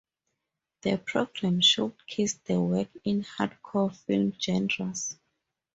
The programme showcased the work in hardcore film genres.